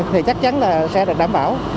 thì chắc chắn là xe được đảm bảo